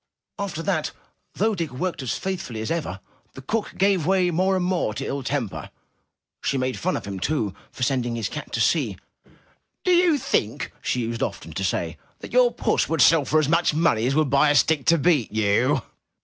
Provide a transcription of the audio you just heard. After that, though Dick worked as faithfully as ever, the cook gave way more and more to ill temper. She made fun of him, too, for sending his cat to sea. Do you think,'' she used often to say, ''that your puss will sell for as much money as would buy a stick to beat you?